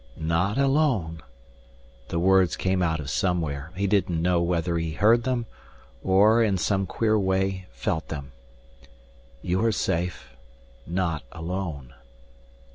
"Not alone " the words came out of somewhere, he didn't know whether he heard them, or, in some queer way, felt them. "You are safe not alone."